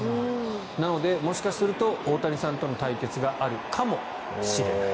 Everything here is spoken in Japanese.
なので、もしかすると大谷さんとの対決があるかもしれない。